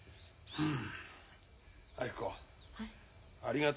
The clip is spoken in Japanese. うん。